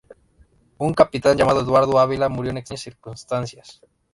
Un capitán llamado Eduardo Ávila murió en extrañas circunstancias.